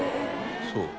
そう。